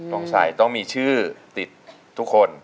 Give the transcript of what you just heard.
ต้องใส่ต้องมีชื่อติดทุกคน